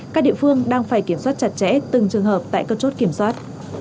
các địa phương đang phải kiểm soát chặt chẽ từng trường hợp tại các chốt kiểm soát